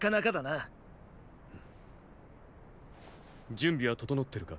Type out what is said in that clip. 準備は整ってるか？